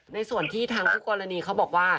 ในส่วนที่ทางคู่กรณีเขาบอกว่า